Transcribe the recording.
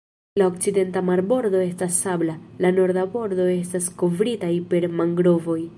La okcidenta marbordo estas sabla, la norda bordo estas kovritaj per mangrovoj.